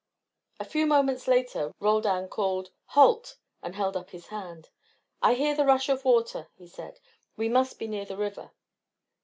A few moments later Roldan called: "Halt!" and held up his hand. "I hear the rush of the water," he said. "We must be near the river."